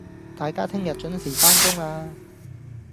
大家聽日準時返工喇